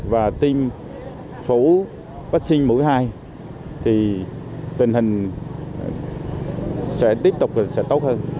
và tiêm phủ vaccine mũi hai thì tình hình sẽ tiếp tục tốt hơn